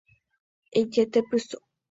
Ejetepyso